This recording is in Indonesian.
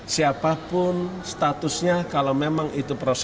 siapapun statusnya kalau memang itu proses